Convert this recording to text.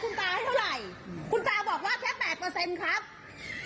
คุณตาบอกว่าแค่๘ครับ